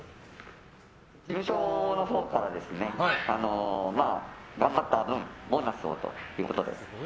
社長のほうからですね頑張った分ボーナスをということで。